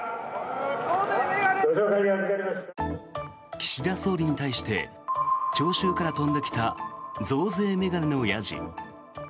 岸田総理に対して聴衆から飛んできた増税メガネのやじ。